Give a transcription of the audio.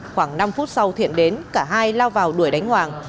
khoảng năm phút sau thiện đến cả hai lao vào đuổi đánh hoàng